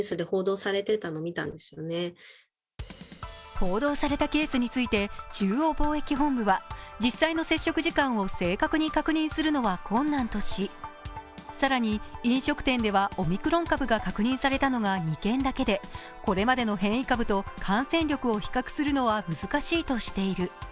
報道されたケースについて中央防疫本部は、実際の接触時間を正確に確認するのは困難とし更に、飲食店ではオミクロン株が確認されたのが２件だけでこれまでの変異株と感染力を比較するのは難しいとしている。